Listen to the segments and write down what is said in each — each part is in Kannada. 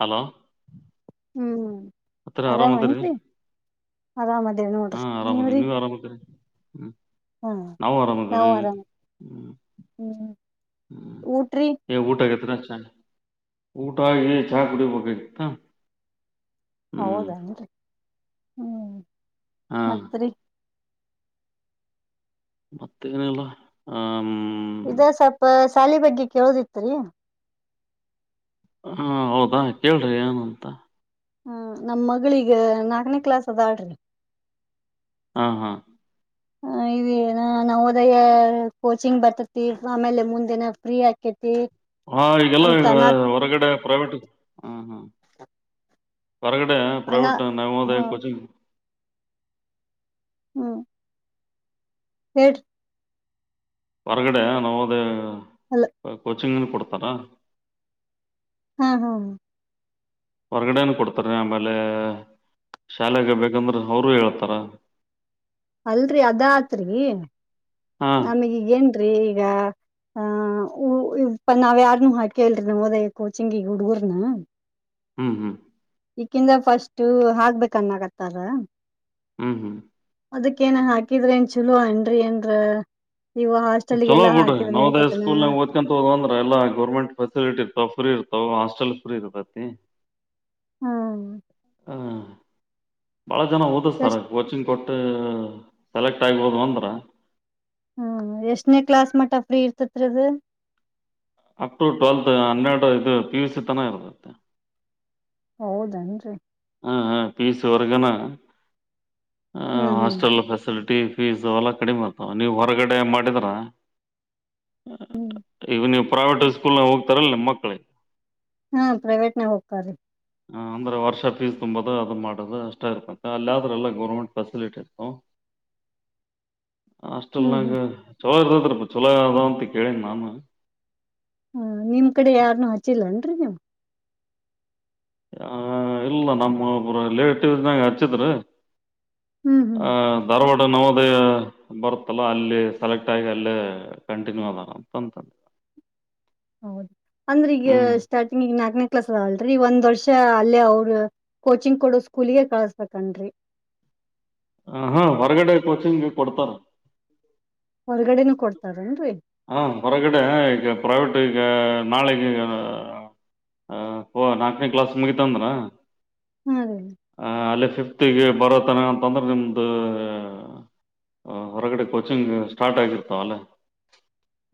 ಹಲೋ ಹ್ಮ್ ಅತ್ರ ಆರಾಮಾಮತ್ತ ರ ಆರಾಮನ್ರಿ ಆರಾಮದೇವ್ ಹಾ ನೋಡ್ರಿ ಆರಾಮದೇ ನೀವ್ರಿ ನೀವ್ ಆರಾಮದರಿ ಹ್ಮ್ ಹಾ ನಾವು ಆರಾಮಬೇಕ್ರ ನಾವು ಆರಾಮ ಹ್ಮ ಹ್ಮ್ ಊಟ್ರಿ ಹ್ಮ್ ಊಟ ಆಗೇತ್ರ ಊಟ ಚಾ ಕುಡಿ ಪಕ ಹೌದನ್ರಿ ಹ್ಮ್ ಹಾ ಮತ್ರಿ ಮತ್ತೆೇನಲ್ಲ ಹ ಇದ ಸ್ವಲ್ಪ ಶಾಲಿ ಬಗ್ಗೆ ಕೇಳೋದಿತ್ತರಿ ಹಾ ಹೌದಾ ಕೇಳ್ರಿ ಏನಂತ ಹ್ಮ ನಮ್ಮ್ ಮಗಳಿಗ ನಾಕನೇ ಕ್ಲಾಸ್ ಅದಾಡ್ರಿ ಹಾ ಹಾ ಏ ನಾ ಹದಯ ಕೋಚಿಂಗ್ ಬರ್ತತಿ ಆಮೇಲೆ ಮುಂದಿನ ಫ್ರೀ ಹಾಕತಿ ಹಾ ಈಗೆಲ್ಲ ಈ ಹೊರಗಡೆ ಪ್ರೈವೇಟ್ ಹ್ಮ ಹ್ಮ ಹೊರಗಡೆ ಅನಾ ಪ್ರೈವೇಟ್ ಹಾ ನಯಮಹೋದಯ ಕಚಿಂಗ್ ಹ್ಮ ಹಟ್ ಹೊರಗಡೆ ನಾವು ಅದೇ ಅಲ್ ಕೋಚಿಂಗನ ಕೊಡ್ತಾರಾ ಹಾ ಹಾ ಹ ಹೊರಗಡೆನು ಕೊಡ್ತರ ಆಮೇಲೆ ಶಾಲೆಗೆ ಬೇಕಂದ್ರೆ ಅವರುೂ ಹೇಳ್ತಾರ ಅಲ್ರರಿ ಅದತ್ರಿ ನಮಗಗ ಹಾ ನಮಗೆ ಹೆನ್ ರಿ ಈಗ ಹ ಇಪ್ಪ ನಾವ್ ಯಾರ್ನುೂ ಹಾ ಕೇಳ್ರಿ ನದ ಕೋಚಿಂಗ ಈ ಹುಡುಗರ್ನ ಹ್ಮ್ ಹ್ಮ್ ಈಕಿಂದ ಫಸ್ಟ್ ಹಾಕ್ಬೇಕನ್ನಾಗತ್ತಾರ ಹ್ಮ್ ಹ್ಮ್ ಅದಕ್ಕ ಏನಂಗ ಹಾಕಿದ್ರ ಏನ್ ಚಲ ಅಏನ್ ಏನ್ರ ಇವ ಚಲೋ ಹಾಸ್ಟೆಲ್ಗೆಲ್ಲಾ ಬಿಡ್ರಿ ಹಾಕಿದ್ರ ನವದಯ ನಡಿತೇತನ ಸ್ಕೂಲ್ ನ ದ್ಕಂತ ಹೋದ ಅಂದ್ರ ಎಲ್ಲ ಗರ್ಮೆಟ್ ಫೆಸಿಲಿಟಿ ಇರ್ ಫ್ರೀ ಇ ತ ಹಾಸ್ಟೆಲ್ ಫು್ರ ಇದು ಬತಿ ಹ್ಮ್ ಹಾಂ ಭಾಳ ಜನ ಓದಿಸ್ತಾರೆ ಎಷ್ಟ ಕೋಚಿಂಗ್ ಕೊಟ್ಟು ಸೆಲೆಕ್ಟ್ ಆಗ್ಬೋದು ಅಂದ್ರ ಹ್ಮ ಎಷ್ಟನೇ ಕ್ಲಾಸ್ ಮಟ ಫ್ರೀ ಇರ್ತತ್ರಿದು ಅಪ್ ಟು ಟ್ವೆಲ್ತ್ ಹನ್ನೆರಡು ಇದು ಪಿ ಯು ಸಿ ತನ ಇರ್ದತ್ತೆ ಹೌದಸ ಪೀಸ್ ವರಗನ ಹ್ಮ್ ಹ್ಮ್ ಹಾಸ್ಟಲ್ ಫೆಸಿಲಿಟ ಫೀಸು ಎಲ್ಲ ಕಡಿಮೆ ಆತ್ತು ನೀವು ಹೊರಗಡೆ ಮಾಡಿದ್ರಾ ಇವ ನೀವು ಪ್ರೈವೇಟ್ ಸ್ಕೂಲ್ನಾಗ ಹೋಗ್ತಾರಲ್ಲ ನಿಮ್ಮ ಮಕ್ಳಿಗೆ ಹ್ಮ ಪ್ರೈವೇಟ್ ನ ಹೋಗ್ತಾರೀ ಅಂದರೆ ವರ್ಷ ಫೀಸ್ ತುಂಬೋದು ಅದು ಮಾಡೋದು ಅಷ್ಟ ಇರ್ತೆ ಅಲ್ಲಿಾದ್ರೆಲ್ಲ ಗೌರ್ಮೆಂಟ್ ಫೆಸಿಲಿಟಿ ಇತ್ತು ಹ ಹ್ಮ್ ಹ್ಮ್ ಹಾಸ್ಟೆಲ್ನಾಗ ಚಲೋ ಇರ್ತದ್ರಪ್ಪ ಚಲೋ ಅದ ಅಂತ ಕೇಳನ್ ನಾನು ಹ ನಿಮ್ ಕಡೆ ಯಾರ್ನು ಹಚ್ಚಿಲ್ಲನ್ರರಿ ನೀವು್ ಇಲ್ಲ ನಮ್ಮ ಒಬ್ರು ರಿಲೇಟಿವ್ ನಗ ಹಚ್ಚಿದ್ರೀ ಹ್ಮ್ ಹ್ಮ್ ಧಾರವಾಡ ಡ ನವೋದಯ ಬರುತ್ತಲ್ಲ ಅಲ್ಲಿ ಸೆಲೆಕ್ಟ್ ಆಗಿ ಅಲ್ಲೇ ಕಂಟಿನ್ಯೂ ಅದಾರ ಅಂತಂತಂದ ಹ ಹೌದ ಅಂದ್ರೆ ಈಗ ಸ್ಟಾರ್ಟಿಂಗ್ ಈಗ ನಾಲ್ಕನೇ ಕ್ಲಾಸ್ ಅದಾಲ್ ಈಗ ಒಂದ ವರ್ಷ ಅಲ್ಲೇ ಅವರು ಕೋಚಿಂಗ್ ಕೊಡೋ ಸ್ಕೂಲ್ಗ ಕಳಸ್ಬೇಕನ್ ಹ ಹಾ ಹೊರಗಡೆ ಕೋಚಿಂಗ್ ಕೊಡ್ತಾರ ಹೊರಗಡೆನ ಕೊಡ್ತಾರನ್ರಿ ಹ ಹೊರಗಡೆ ಈಗ ಪ್ರೈವಟ್ ಈಗ ನಾಳಗ ಹ ಹ ನಾಲ್ಕನೇ ಕ್ಲಾಸ್ ಮುಗಿತ ಅಂದ್ರ ಹಾ ರೀ ಆ ಅಲ್ಲೇ ಫಿಫತ್ ಬರತ್ತಾನೆ ಅಂತಂದ್ರೆ ನಿಮ್ದು ಹ ಹೊರಗಡೆ ಕೋಚಿಂಗ್ ಸ್ಟಾರ್ಟ್ ಆಗಿತ್ತು ಅಲ್ಲ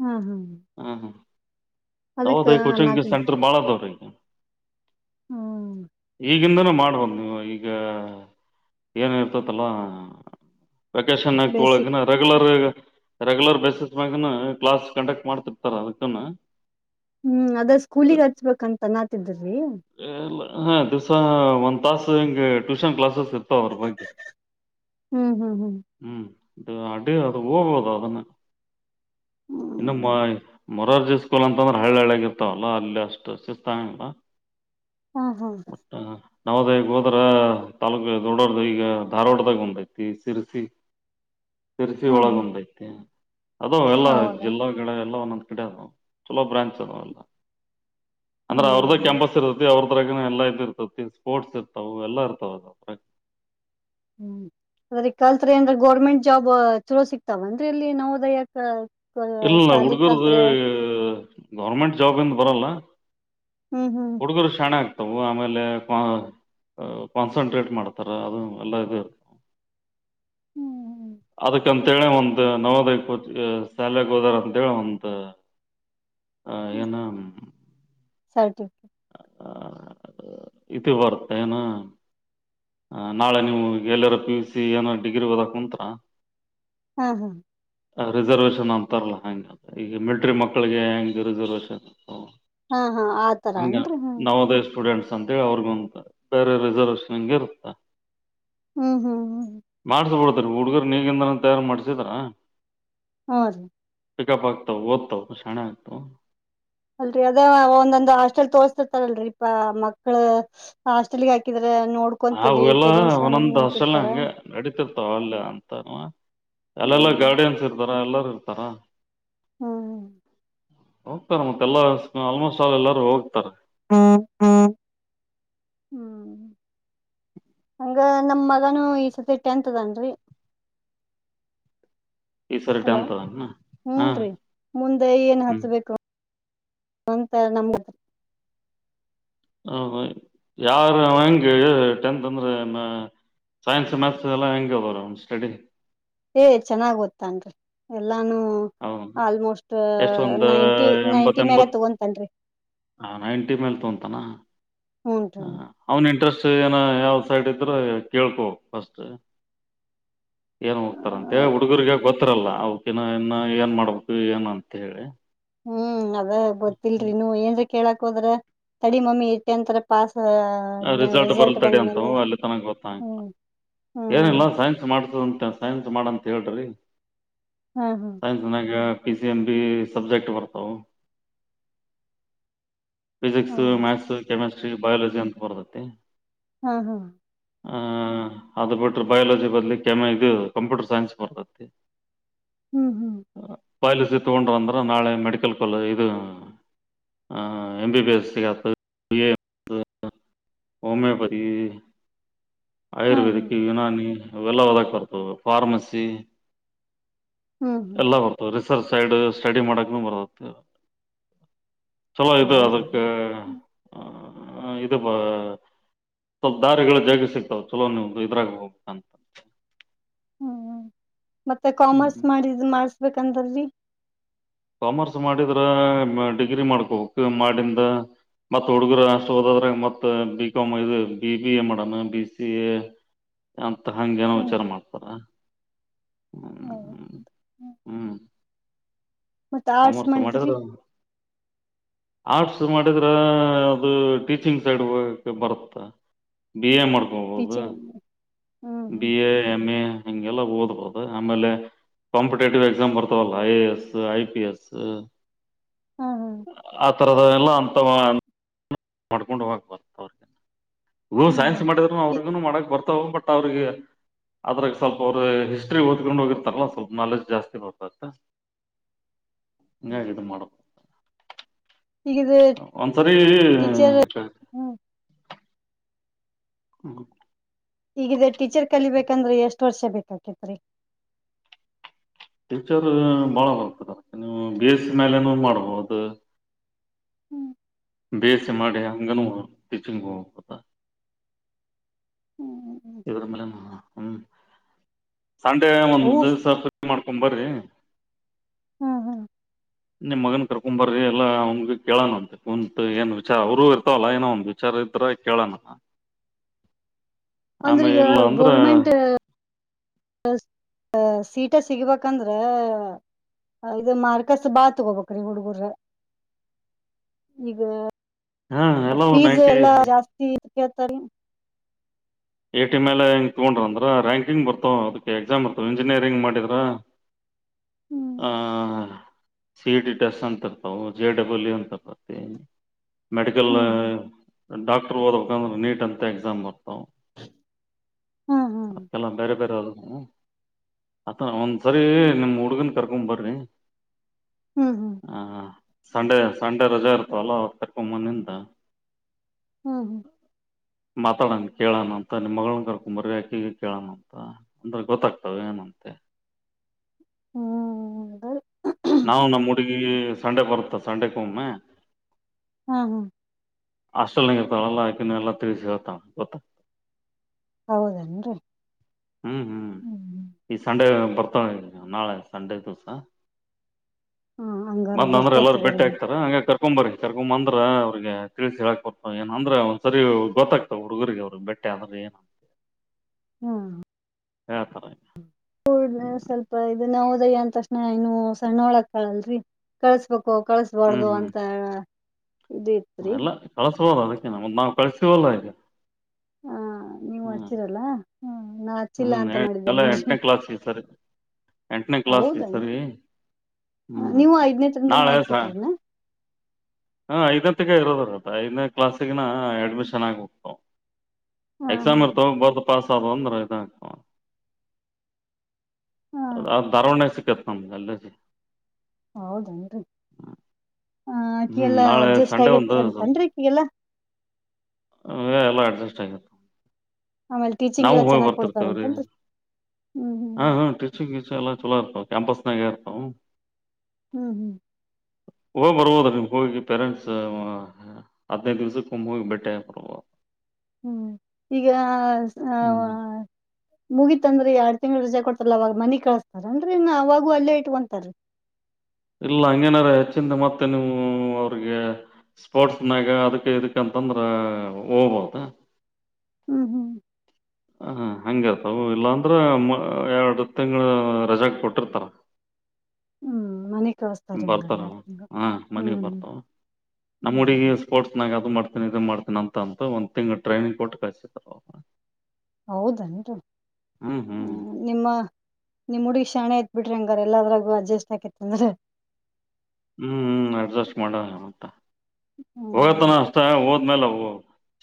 ಹಾ ಹಾ ಹ್ಮ ಹ ಅದಕ್ಕ ಹೌದ ಕೋಚಿಂಗ್ ಸೆಂಟರ್ ಅನ್ನತಿದ್ರಿ ಬಾಳದ ಅವ್ರೀ ಹ್ಮ್ ಈಗಿಂದನೇ ಮಾಡ್ಬೋದು ನೀವು ಈ ಈಗ ಏನ ಇರ್ತತಲ್ಲ ವೆಕೇಶನ್ ಬೇಸಿಕ್ ಆಗ್ಕ್ತಗೊಳಕ ರೆಗ್ಯುಲರ್ ರೆಗ್ಯುಲರ್ ಬೇಸಿಸಸ್ ಮಾಗ ಕ್ಲಾಸ್ ಕಂಡಕ್ಟ್ ಮಾಡ್ತಿರ್ತಾರ ಅದಕ್ಕನು ಹ್ಮ್ ಅದ ಸ್ಕೂಲಗ್ ಹಚ್ಬೇಕಂತ ಅನ್ನತಿದ್ರೀ ಹಾ ದಿವಸ ಒಂದ್ ತಾಸ ಹಿಂಗ ಟ್ಯೂಷನ್ ಕ್ಲಾಸಸ್ ಸುತ್ತ ಅವ್ರ ಬಗ್ಗೆ ಹ್ಮ್ ಹ್ಮ್ ಹ್ಮ್ ಇದು ಅಡ ಅದು ಹೋಗೋದಾ ಅದನ್ನು ಇನ್ನು ಮ ಹ್ಮ್ ಮೊರಾರ್ಜಿ ಸ್ಕೂಲ್ ಅಂತ ಅಂದ್ರೆ ಹಳ್ಳ ಹಳ್ಳೆಗರ್ತಾವಲ್ಲ ಅಲ್ಲಿ ಅಷ್ಟು ಶಿಸ್ತಿಲ್ಲ ಹಾ ಹಾ ಹ ನವದ ಹೋದ್ರ ತಾಾಲೂಕ ದೊಡ್ಡೋರ್್ದ ಈಗ ಧಾರವಾಡದಾಗ ಉಂದೈತಿ ಸಿಸಿ ತರ್ಚ ಹಾ ಹಾ ಒಳಗಂಡೈತ ಅ ಎಲ್ಲ ಹೌದಾ ಜಿಲ್ಲಾ ಕಡೆ ಎಲ್ಲ ಒಂದೊಂದ್ ಕಡೆ ಅದ ಚುಲೋ ಬ್ರಾಂಚ್ ಅದಾವ ಎಲ್ಲ ಅಂದ್ರೆ ಅವ್ರದ್ದೇ ಹ್ಮ್ ಕ್ಯಾಂಪಸ್ ಇರುತ್ತೆ ಅವ್ರ್ದು ಹರಗನ ಎಲ್ಲಾ ಇಐ್ ಇರ್ತತಿ ಸ್ಪೋರ್ಟ್ಸ್ ಇರ್ತಾವ ಎಲ್ಲಾ ಇರ್ತಾವ ಅದ ಹ್ಮ್ ಅದ್ರ ಕಲ್ತ್ರಿಏಂದ್ರ ಗೋರ್ಮೆಂಟ್ ಜಾಬ್ ಚಲೋ ಸಿಕ್ತಾವ ಅಂದ್ರೆ ಇಲ್ಲಿ ನಾವುದಯ ಯಾಕ ಇಲ್ಲಲ್ಲ ಹುಡುಗರದು ಗೌರ್ಮೆಂಟ್ ಜಾಬ್ಂದ ಬರಲ್ಲ ಹ್ಮ್ ಹ್ಮ್ ಹುಡುಗರು ಶಣಕ್ ಆಮೇಲೆ ಕಾನ್ಸಂಟ್ರೇಟ್ ಮಾಡ್ತಾರ ಅದು ಎಲ್ಲ ಇದೆ ಇ ಹ್ಮ್ ಅದಕ್ಕಂತೇಳಿ ಒಂತ ನೋದ ಸಾಲಗ್ ಹೋದಾರ ಅಂತೇಳಿ ಒಂತ ಹ್ಮ್ ಏನ ಸರ್ಟಿಫಿಕೇಟ್ ಇ ವರ್ತೆನ ನಾಳೆ ನೀವು ಎಲ್ಲರ ಪಿ ಯ ಸಿ ಏನೋ ಡಿಗ್ರಿ ಓದಕ್ ಕುಂಂತರ ಹ್ಮ ಹಾ ರಿಸರ್ವೇಷನ್ ಅಂತಾರಲ್ಲಾ ಹಂಗೆ ಅ ಈಗ ಮಿಲ್ಟ್ರಿ ಮಕ್ಳಿಗೆ ಹೆಂಗೆ ರಿಸರ್ವೇಷನ್ ಅ ಹಾ ಹಾ ಆ ಹಂಗ ನವೋದಯ ಸ್ಟೂಡೆಂಟ್ಸ್ ಅಂತೇಳಿ ಅವ್ರಿಗುಂತ ಬೇರೆ ರಿಸರ್ವೇಶನ್ಂ ಇರುತ್ತ ಹ್ಮ್ ಹ್ಮ್ ಹ್ಮ್ ಹುಡ್ಗರು ನೀಗಂದ ತಯಾರು ಮಾಡ್ಸಿದಾರ ಹಾ್ ರೀ [unintelligible] ಪಿಕಪ್ ಆಗ್ತಾವ ಓದ್ತಾವ ಶಣೆ ಆಗ್ತಾವ ಅಲ್ರರಿ ಅದೇ ಒಂದೊಂದು ಹಾಸ್ಟೆಲ್ ತೋರ್ತಿರ್ತಾರಲ್ರರಿ ಇ ಮಕ್ಳ ಹಾಸ್ಟೆಲ್ಗೆ ಹಾಕಿದ್ರ ನೋಡ್ಕೊಂತೀರಿ ಅವೆಲ್ಲ ಪೇರೆಂಟ್ಸ್ ಹಂಗ ಹಿಂಗ ಒಂದೊಂದಸೆಲ್ಲ ಅಂತಿರ್ತಾರ ಹಂಗ ನಡತಿರ್ತಾವಲ್ಲ ಅಂತ ಅಲ್ಲೆಲ್ಲ ಹ್ಮ್ ಗಾರ್ಡಿಯನ್ಸ್ ಇರ್ತಾರ ಎಲ್ಲಾರ ಇರ್ತಾರ ಹ್ಮ್ ಹೋಗ್ತಾರೆ ಮತ್ತೆಲ್ಲ ಆಲ್ಮೋಸ್ಟ್ ಎಲ್ಲರೂ ಹೋಗ್ತಾರೆ ಹ್ಮ್ ಹ್ಮ್ ಹ್ಮ ಹಂಗ ನಮ ಮಗನುೂ ಈ ಸತಿ ಟೆಂತ್ ಅದನ್ರಿ ಈ ಸರಿ ಹಲೋ ಟೆಂತ್ ಅದ ಹಾ ಹೂನ್್ರರಿ ಮುಂದೆ ಏನ್ ಹ್ಮ್ ಹಚ್ಬೇಕು ನಂತ ನಮ್ಗತ್ರ ಹೌದು ಯಾರ ಹಂಗೆ ಟೆಂತ್ ಅಂದ್ರೆ ಸೈನ್ಸ್ ಮತ್ಸ್ ಎಲ್ಲ ಹೆಂಗ ಬರ ಸ್ಟಡಿ ಏ ಚೆನ್ನಾಗ್ ಓದತ್ತನ್ರಿ ಎಲ್ಲಾ ನಾನು ಅವನು ಆಲ್ಮೋಸ್ಟ್ ಎಷ್ಟು ಒಂದು ನೈಂಟಿ ನೈಂಟಿ ಮ್ಯಾಗ ತಗೊಂತನ್ರಿ ಹ ನೈಂಟಿ ಮೇಲ್ ತೊಂತಾನ ಹೂನ್ರಿ ಅವನ ಇಂಟ್ರೆಸ್ಟ್ ಏನ ಯಾವ ಸೈಡ್ ಇದ್ರೆ ಕೇಳ್ಕೋ ಫಸ್ಟ್ ಏನ್ ಹ ಹೋಗ್ತಾರಂತೆ ಹುಡುಗಗ ಗೊತ್ತ ಹತ್ರಲ್ಲ ಅವಕಿನ ಇನ್ನ ಏನ್ ಮಾಡ್ಬೇಕು ಏನ್ ಅಂತ ಹೇಳಿ ಹ್ಮ್ ಅದ ಗೊತ್ತಿಲ್ರಿ ನೀ ಏನ್್ರ ಕೇಳಾಕ್ ಹೋದ್ರ ತಡಿ ಮಮ್ಮಿ ಇಟ್ಟೆ ಅಂತರ ಪಾಸ್ ರಿಸಲ್ಟ್ ಬರ್ಲ್ತಡಿ ಅಂತವು ಅಲ್ಲಿ ತನಗೆ ಗೊತ್ತಂಗಿಲ್ಲ ಹ್ಮ್ ಏನಿಲ್ಲ ಹ್ಮ್ ಸೈನ್ಸ್ ಮಾಡ್ ಸೈನ್ಸ್ ಮಾಡಂತ ಹೇಳ್ರಿ ಹಾ ಹಾ ಸೈನ್ಸ್ನಾಗ P C M B subject ಬರ್ತಾವ ಹಾ ಫಿಸಿಕ್ಸ್ ಮ್ಯಾಥ್ಸು ಕೆಮಿಸ್ಟ್ರಿ ಬಯಾಲಜಿ ಅಂತ ಬರ್ತತಿ ಹಾ ಹಾ ಅದು ಬಿಟ್ರೆ ಬಯಾಲಜಿ ಬದಲಿ ಕಾಮ ಇದು ಕಂಪ್ಯೂಟರ್ ಸೈನ್ಸ್ ಬರ್ತತ್ತತಿ ಹ್ಮ್ ಹ್ಮ್ ಬಯಾಲಜಿ ತಗೊಂಡ್ರೆ ಅಂದ್ರೆ ನಾಳೆ ಮೆಡಿಕಲ್ ಕಾಲೇಜ್ ಇದು ಎಂಬಿಬಿಎಸ್ಸಿಗೆತ ಹೋಮಿಯೋಪತಿ ಹಾ ಹಾ ಆಯುರ್ವೇದಿಕ್ ಯುನಾನಿ ಇವೆಲ್ಲ ಒದ ಬರ್ತವೆ ಫಾರ್ಮಸಿ ಹ್ಮ್ ಹ್ಮ್ ಎಲ್ಲಾ ಬರ್ತಾವ್ ರಿ ಸರ್ ಸೈಡ್ ಸ್ಟಡಿ ಮಾಡಕ ಬ ಸ್ಪ ಹೌದಾ ಅದಕ್ಕೆ ಇದು ಸ್ವಲ್ಪ ದಾರಿಗಳು ಜಾಗ ಸಿಗ್ತಾವ ಚಲೋ ನೀವು ಇದ್ರಾಗ ಹೋಗ್ಬೇಕ ಅಂತ ಹ್ಮ್ ಮತ್ತೆ ಕಾಮರ್ಸ್ ಮಾಡಿದ ಮಾಡಸ್ಬೇಕಂತಲ್ರಿ ಕಾಮರ್ಸ್ ಮಾಡಿದ್ರ ಡಿಗ್ರಿ ಮಾಡ್ಕೋಕ್ ಮಾಡಿಂದ ಮತ್ ಹುಡುಗರು ಅಷ್ಟು ಹೋದಾದ್ರೆ ಮತ್ ಬಿ ಕಾಮ್ ಇದು ಬಿ ಬಿ ಎ ಮಡಮ ಬಿ ಸಿ ಎ ಅಂತ ಹಂಗೇನೋ ವಿಚಾರ ಮಾಡ್ತಾರ ಹೌ ಹ್ಮ್ ಹ್ಮ್ ಮತ್ತ ಆರ್ಟ್ಸ್ ಕಾಮರ್ಸ ಮಾಡ ಮಾಡಿದ್ರಿ ಆರ್ಟ್ಸ್ ಮಾಡಿದ್ರೆ ಅದು ಟೀಚಿಂಗ್ ಸೈಡ್ ಬರುತ್ತ ಬಿ ಎ ಮಾಡ್ಕೊಬೋದು teaching hmm B hmm A M A ಹಂಗೆಲ್ಲ ಓದ್ಬಹುದು ಆಮೇಲೆ ಕಾಂಪಿಟೇಟಿವ್ ಎಕ್ಸಾಮ್ ಬರ್ತವಲ್ಲ ಐ ಎ ಎಸ್ ಐ ಹಾ ಹಾ ಅತ್ರರದ ಎಲ್ಲ ಅಂತ ಮಾಡ್ಕೊಂಡ್ ಹೋಗಕ್ ಬರ್ತ ಅವ್ರಗ ಹ ಹ್ಮ್ ಸೈನ್ಸ್ ಮಾಡಿದ್ರುೂ ಅವ್ರಿಗೂನು ಮಾಡಕ್ ಬರ್ತ ತೋಗ ಪಟ್ಟ ಅವ್ರಗ ಅದ್ರಾಗ ಸ್ವಲ್ಪ ಅವ್ರು ಹಿಸ್ಟ್ರಿ ಓದಕೊಂಡ್ ಹೋಗಿರ್ತಾರಲ್ಲ ಸ್ವಲ್ಪ ನಾಲೆಜ್ ಜಾಸ್ತಿ ಮಾಡ್ತತ್ತ ಹಂಗ ಗಡು ಮಾಡಡೋ ಒಂದ್ಸರಿ ಚರ್ ಹ್ಮ್ [inaudible] ಹ ಯಾಕಂದ್ರೆ ಎಷ್ಟು ವರ್ಷ ಬೇಕಾಕತ್ರಿ ಟೀಚರ್ ಬಾಳ ಬರ್ತದ ನೀವು ಬಿ ಎಸ್ಸ ಮಲೆನ ಮಾಡ್ಬೋದು ಹ್ಮ್ ಬೇ ಸಿೆ ಮಾಡೆ ಅಂಗನ ಿಚಿಂಗ ಹ್ಮ್ ಹ್ಮ್ ಇವ್ರ ಮೇಲೆ ಹ್ಮ ಸಂಡೆ ಒಂದ್ ಅವು ದಿವ್ಸಷಿ ಮಾಡ್ಕೊಂಡ್ ಬರ್ರಿ ಹ್ಮ್ ಹ್ಮ್ ನಿಮ್ ಮಗನ್ ಕರ್ಕೊಂಬರಿ ಎಲ್ಲಾ ಅವನ್್ಗೆ ಕೇಳೋಣಂತೆ ಒಂತತ್ ಏನ್ ವಿಚಾರ ಅವರು ಇರ್ತಾವಲ್ಲ ಏನೋ ಒಂದ ವಿಚಾರ ಇ ಕೇಳೋಣ ಅಂದ್ರ ಆಮೇ ಈಗ ಇಲ್ಲ ಅಂದ್ರ ಗೋರ್ಮೆಂಟ್ ಸೀಟ ಸಿಗ್ಬೇಕಂದ್ರೆ ಇದು ಮಾರ್ಕಸ್ ಬಾ ತಗೋಬೇಕ್ರೀ ಹುಡುಗರ ಈಗ ಹಾ ಎಲ್ಲವೂ ಫೀಸ್ ಎಲ್ಲಾ ನೈಂಟಿ ಜಾಸ್ತಿ ಕೇಳ್ತಾರ ಟಿ ಮೇಲೆ ಹೆಂಗ ತೊಂಡ್ರ ಅಂದ್ರ ರ್ಯಾಂಕಿಂಗ್ ಬರ್ತಾವ ಅದಕ್ಕೆ ಎಕ್ಸಾಮ್ ಬರ್ತ ಇಂಜಿನಿಯರಿಂಗ್ ಮಾಡಿದ್ರ ಹ್ಮ್ ಹ ಸಿ ಡಿ ಡಸ್ ಅಂತರ್ತವು ಜೆ ಡಬಲ್ ಇ ಅಂತರ್ತತಿ ಮೆಡಿಕಲ್ ಹ್ಮ್ ಡಾಕ್ಟರ್ ಓದಬೇಕಂದ್ರೆ ನೀಟ್ ಅಂತ ಎಕ್ಸಾಮ್ ಬರ್ತಾವ ಹ್ಮ್ ಹ್ಮ್ ಹ್ಮ್ ಅಕ್ಕೆಲ್ಲ ಬೇರೆ ಬೇರೆ ಆದ ಅ ಒಂದ ಸರಿ ನಿಮಮ್ಮ್ ಹುಡುಗನ್ ಕರ್ಕೊ್ ಬರ್ರಿ ಹ್ಮ್ ಹಾ ಸಂಡೆ ಸಂಡೆ ರಜೆ ಇರ್ತವಲ್ಲ ಒ ತಕ್ಕೊಂಬನಿಂದ ಹೂ ಹೂ ಮಾತಾಡೋಣ ಕೇಳೋಣ ಮತ್ತ ನಿಮ್ಮ ಮಗಳನ್ನ ಕರ್ಕೊಂಬರ ಯಾಕ ಈಗ ಕೇಳಣ ಅಂತ ಅಂದ್ರೆ ಗೊತ್ತಾಗ್ತಾವ ಏನಂತೆ ಹ್ಮ್ದ ನಾವು ನಮ್ಮ್ ಹುಡುಗಿ ಸಂಡೆ ಬರುತ್ತೆ ಸಂಡೆಕ್ಕ ಒಮ್ಮೆ ಹ್ಮ ಹ್ಮ್ ಹಾಸ್ಟೆಲ್ನಂಗ ಇರ್ತಾಳೆಲ್ಲಾ ಆಕ ಎಲ್ಲ ತಿಳಿಸಿಿ ಹತಳ ಗೊತ್ತ ಹೌದೇನ್ರಿ ಹ್ಮ್ ಹ್ಮ್ ಈ ಸಂಂಡ ಪತವ ನಾೆ ಸಂಡೇ ದೋಸಾ ಹಾ ಹಂಗಾರ ಮಂದ್ ಅಂದ್ರೆ ಬರ್ತೇ ಎಲ್ಲಾರು ತಗೋರಿ ಬೆಟ್ಟೆ ಹಾಕ್ತಾರ ಹಂಗ ಕರ್ಕೊಂಬರಿ ಕರ್ಕೊ್ಂದ್ರ ಅವ್ರಿಗೆ ತಿಳಿಸಿ ಹೇಳಕ್ ಕೊಡ್ತ ಏ ಅಂದ್ರ ಒಂದ್ ಸರಿ ಗೊತ್ತಾಗ್ತಾವ ಹುಡುಗರಿಗೆ ಅವ್ರಿಗೆ ಬೆಟ್ಟ ಯಾವಾಗ ಹೂ ಹ್ಮ್ ಸ್ವಲ್ಪ ಇ ನಾವು ದಯ್ಯ ಅಂದ ತಕ್ಷಣ ಇನ್ನು ಸಣ್ಣ ಒಳಕ್ ಕಾಳಲ್ರರಿ ಕಳ್ಸ್ಬೇಕು ಕಳಸ್ಬಾರ್ದು ಹ್ಮ್ ಅಂತ ಇದು ಇತ್ರಿ ಎಲ್ಲ ಕಳ್ಸಬೋದು ಅದಕ್ಕೇ ಮತ್ತ ನಾವ್ ಕಳ್ಸವಲ್ಲ ಆದು ಹಾ ನೀವು ಹಚಿರಲ್ಲ ಹೂ ನಾ ಹಚ್ಚಿಲ್ಲ ಹ್ಮ್ ಅಂತ ಮಾಡಿದ್ದೆ ಎಲ್ಲ ನೋಡಿ ಎಂಟನೇ ಕ್ಲಾಸ್ ಈ ಸರಿ ಎಂಟನೇ ಕ್ಲಾಸ್ ಈ ಸರಿ ಹೌದನ್ರಿ ಹ್ಮ್ ನೀವು ಐದ್ನೇತ್ರರಿಂದ ದನ ನಾಳೆ ಸಾ ಹಾಕ್ಬಿಟ್ರಿನ ಹಾಂ ಐದನೇತ್ತಗ ಇರೋದರತ್ತ ಐದನೇ ಕ್ಲಾಸಗಿನ ಅಡ್ಮಿಷನ್ ಆಗಿ ಹೋಗ್ತವೆ ಹಾ ಹಾ ಎಕ್ಸಾಮ್ ಇರ್ ತಗಬಾರ್ದು ಪಾಸ್ ಆದ ಅಂದ್ರ ಇದತ ಅ ಅ ಧಾರವಾಡ ನಲ್ಲಿ ಸಿಕ್ಕತ್ ನಮ್ಮ ಅಲ್ಲೇ ಹೌದೇ ಏನ್ ರೀ ಹ ಅಕಿ ಹ್ಮ್ ಎಲ್ಲಾ ನಾಳೆ ಅಡ್ಜಸ್ಟ್ ಸಂಡೆ ಆಗೇತ್ ಒಂದು ಅಂತನ್ಿ ಅಕ್ಕಗೆಲ್ಲಾ ಹೇ ಎಲ್ಲ ಅಡ್ಜಸ್ಟ್ ಆಗ್ಯತಾ ಆಮೇಲೆ ಟೀಚಿಂಗ್ ನಾವು ಎಲ್ಲಾ ಹೋಗಿ ಚೆನ್ನಾಗ್ ಬರ್ತಿರ್ತೇವ್ರೀ ಕೊಡ್ತಾರಂತನ್ರಿ ಹ್ಮ್ ಹ್ಮ್ ಹ ಹಾ ಟೀಚಿಂಗ್ ಟೀಚಿಂಗ್ ಎಲ್ಲಾ ಚಲೋ ಇರ್ತ ಕ್ಯಾಂಪಸ್ನಗರ್ ಇರ್ತವು ಹೂ ಹೋಗ ಬರ್ಬೋದ ನಿಮ್ಗೆ ಹೋಗಿ ಪೇರೆಂಟ್ಸ್ ಹದ್ಿನೈದು ದಿವ್ಸಕ್ಕೆ ಒಮ್ಮೆ ಹೋಗಿ ಬೇಟ್ಟೆ ಬರ್ಬೋದು ಹೂ ಈಗ ಆ ಹ್ಮ್ ಮುಗೀತ್ಂದ್ರ ಎರಡ್ ತಿಂಗ್ಳ ರಜೆ ಕೊಡ್ತಾರ ಅವಾಗ ಮನಿ ಕಳಸ್ತಾರನ್್ರರಿ ಇ ಅವಾಗೂ ಅಲ್ಲೇ ಇಟ್ಕೊಂತಾರೀ ಇಲ್ಲ ಹಂಗೇನಾರ ಹೆಚ್ಚಿಂದ ಮತ್ತೆ ನೀವು ಅವ್ರಿಗೆ ಸ್ಪೋರ್ಟ್ಸ್ನಾಗ ಅದಕ್ ಇದಕಂತಂದ್ರ ಹೋಗ್ಬೋದ ಹೂ ಹೂ ಹ ಇರ್ತವು ಇಲ್ಲಾಂದ್ರೆ ಎರಡು ತಿಂಗಳ ರಜಾಾಗ ಕೊಟ್ಟಿರ್ತಾರ ಹ ಬರ್ತಾರ ಹಾ ಮನೆಗ್ ಹ್ಮ್ ಬರ್ತಾವ ಹ್ಮ್ ನಮ್ಮ ಹುಡಗಿ ಹ್ಮ್ ಸ್ಪೋರ್ಟ್ಸ್ ನಾಗ ಅದು ಮಾಡ್ತ ಮಾಡ್ತೀನ ಅಂತ ಅಂತ ಒಂದ ತಿಂಗ್ ಟ್ರೈನಿಂಗ್ ಕೊಟ್ಟ ಕಸತಾರೆ ಅವ ಹೌದನ್ರಿ ಹೂ ಹ್ಮ್ ನಿಮ್ಮ ನಿಮ್ಮ ಹುಡುಗಿ ಶಾಣೆ ಆತ ಬಿಟ್ರಿ ಹಂಗಾರ ಎಲ್ಲದರಾಗು ಅಡ್ಜಸ್ಟ್ ಆಾಕಿತ್ತ ಅಂದ್ರೆ ಹೂ ಹೂ ಅಡ್ಜಸ್ಟ್ ಮಾಡ ಮಂತ ಹೋಗತಾನ ಹ್ಮ್ ಅಷ್ಟ ಹೋದ್ಮೇಲೆ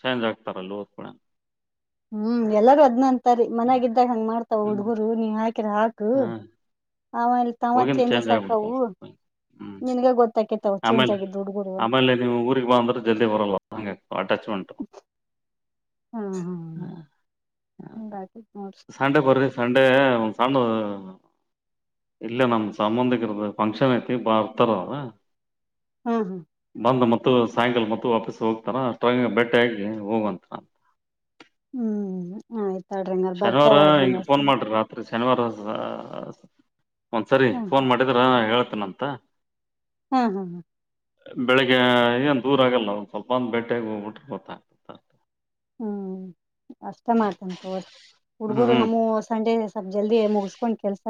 ಚೇಂಜ್ ಆಗ್ತಾರಲ್ಲ ಹೊಡ್ಕುಡ್ಲೆ ಹೂ ಎಲ್ಲಾರೂ ಅದ್ನ ಅಂತಾರಿ ಮನ್ಾಗಿದ್ದ್ದಾಗ ಹಂಗ್ ಮಾಡ್ತಾವ ಹುಡ್ಗುರು ನೀವ ಹಾಕಿರ ಹಾ ಹೂ ೋಗಿಿಂದ ಚೇಂಜ್ ಚೇಂಜಸ್ ಆಕ್ಕವು ಆಗಿಬಿಡ್ತವು ಹೂ ನಿನ್ಗ ಗೊತ್ತಾಕೇತಾವ ಚೇಂಜ್ ಆಮೇಲೆ ಆಗಿದ್ದು ಹುಡ್ಗುರು ಅಂತ ಆಮೇಲೆ ನೀವು ಊರಿಗೆ ಬಂದ್ರೆ ಜಲ್ದಿ ಬರಲ್ವಾ ಹಗೆ ಅಟ್ಯಾಚ್ಮೆಂಟು ಹಾ ಹ್ಮ್ ಹ್ಮ್ ಹಿಂಗಾಕೇತ್ ನೋಡ್ರಿ ಸಂಡೆ ಬರಿ ಸಂಡೆ ಸ್ಣ ಇಲ್ಲ ನಮ್ಮ ಸಂಬಂಧಿಕರದ ಫಂಕ್ಷನ್ ಐತಿ ಬಾ ಅತರವರು ಹ್ ಹ ಮತ್ತು ಸಾಯಂಕಾಲ ಮತ್ತು ವಾಪಸ್ ಹೋಗ್ತಾರ ಅ್ರಂಗ ಬಟ್ಟೆ ಆಾಗಿಿ ಹೋಗುವಂತರ ಅಂತ ಹೂ ಆಯ್ತು ಶನಿವಾರ ಹಿಂಗ ಫೋನ್ ಮಾಡ್ರಿ ರಾತ್ರಿ ಶನಿವಾರ ಒಂದು ಸರಿ ಹ್ಮ್ ಫೋನ್ ಮಾಡಿದರೆ ಹೇಳ್ತೇನೆ ಅಂತ ಹ ಹಾ ಬೆಳಿಗ್ಗೆ ಏನ್ ದೂರ ಆಗಲ್ಲ ಒ ಸ್ವಲ್ಪ ಒಂದು ಬೆೇಟೆಗೆ ಹೋಗ್ಬಿಟ್ರೆ ಗೊತ್ತಾಗ್ತ ಹೂ ಅಷ್ಟೇ ಮಾಡ್ತನ್ ತೋ ಹ್ಮ್ ಹುಡ್ಗರು ಹ್ಮ್ ನಮ್ಮೂ ಸಂಡೆ ಸ್ವಪ್ ಜಲ್ದಿ ಮುಗಿಸಕೊಂಡ್ ಕೆಲ್ಸ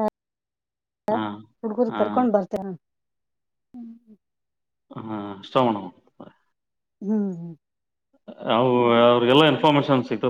ಹಾ ಹುಡ್ಗರು ಹಾ ಕರ್ಕೊಂಡ್ ಬರ್ತೆೇವ ನ ಹ್ಮ್ ಹಾ ಇಷ್ಟಣ ಹ್ಮ್ ಹ್ಮ್ ಆಯ್ತ್ ಅವ್ರಿಗೆಲ್ಲಾ ಇನ್ಫಾರ್ಮೇಶನ್ ಸಿಗ್ತ